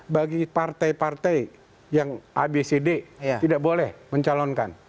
bagi partai partai yang abcd tidak boleh mencalonkan